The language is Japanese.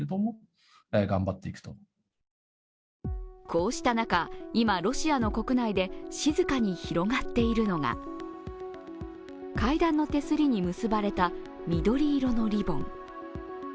こうした中、今、ロシアの国内で静かに広がっているのが階段の手すりに結ばれた緑色のリボン。